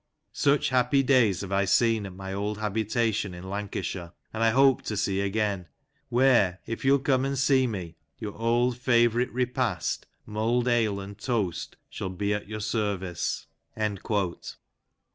Such happy days have I seen at my old habitation in Lancashire, and I hope to see again, where, if you '11 come and see me, your old fa vourite repast, muU'd ale and toast, shall be at your service."